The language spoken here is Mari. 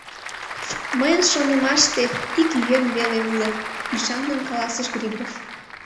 — Мыйын шонымаште, ик йӧн веле уло, — ӱшанлын каласыш Грибов.